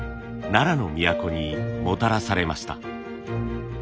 奈良の都にもたらされました。